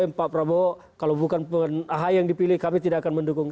pak prabowo kalau bukan ahy yang dipilih kami tidak akan mendukung